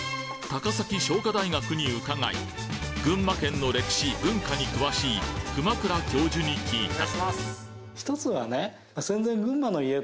高崎商科大学に伺い群馬県の歴史・文化に詳しい熊倉教授に聞いたひとつはね。